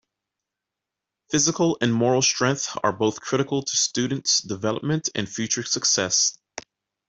Physical and moral strength are both critical to students' development and future success.